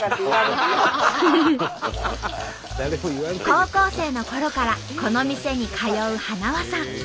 高校生のころからこの店に通うはなわさん。